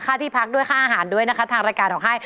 ที่พักด้วยค่าอาหารด้วยนะคะทางรายการออกให้